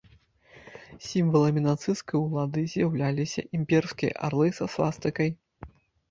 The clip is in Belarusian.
Сімваламі нацысцкай ўлады з'яўляліся імперскія арлы са свастыкай.